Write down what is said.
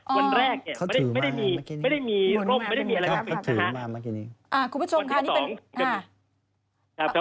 คุณผู้ชมค่ะ